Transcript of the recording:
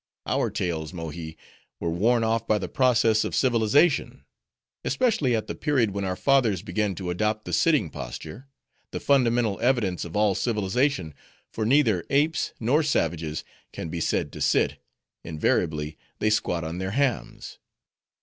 Our tails, Mohi, were worn off by the process of civilization; especially at the period when our fathers began to adopt the sitting posture: the fundamental evidence of all civilization, for neither apes, nor savages, can be said to sit; invariably, they squat on their hams.